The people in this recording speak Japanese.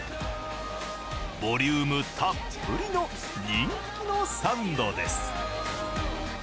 ボリュームたっぷりの人気のサンドです。